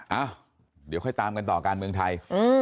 เอ้าเดี๋ยวค่อยตามกันต่อการเมืองไทย